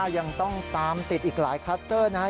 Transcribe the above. ยังต้องตามติดอีกหลายคลัสเตอร์นะครับ